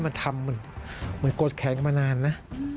มันทำมันกดแขนมานานนะ